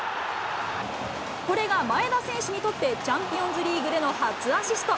これが前田選手にとってチャンピオンズリーグでの初アシスト。